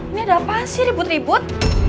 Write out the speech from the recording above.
ini ada apa sih ribut ribut